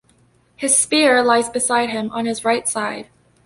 His spear lies beside him on his right side.